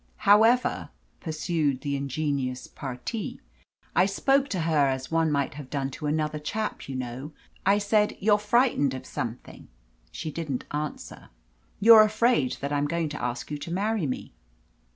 "However," pursued the ingenuous parti, "I spoke to her as one might have done to another chap, you know. I said, 'You're frightened of something.' She didn't answer. 'You're afraid that I'm going to ask you to marry me.'